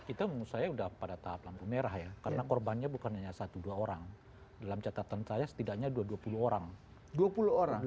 kita menurut saya sudah pada tahap lampu merah ya karena korbannya bukan hanya satu dua orang dalam catatan saya setidaknya dua dua puluh orang